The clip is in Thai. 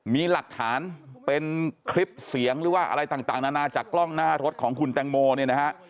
มีหลักฐานเป็นคลิปเสียงหรือว่าอะไรต่างนานาจากกล้องหน้ารถของคุณแตงโมเนี่ยนะฮะ